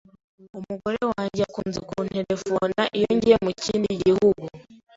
Umugore wanjye akunze kunterefona iyo ngiye mu kindi gihugu.